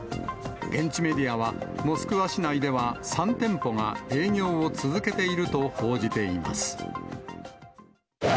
現地メディアは、モスクワ市内では、３店舗が営業を続けていると報じています。